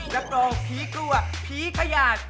รับรองผีกลัวผีขยาด